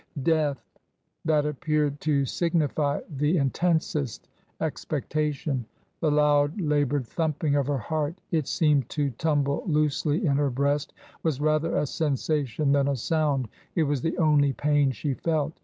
Death ! That appeared to signify the intensest expec tation. The loud, laboured thumping of her heart — it seemed to tumble loosely in her breast — was rather a sensation than a sound. It was the only pain she felt.